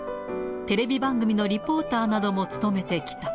テレビ番組のリポーターなども務めてきた。